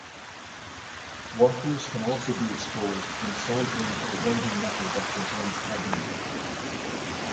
Workers can also be exposed when soldering or welding metal that contains cadmium.